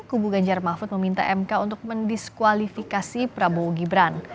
kubu ganjar mahfud meminta mk untuk mendiskualifikasi prabowo gibran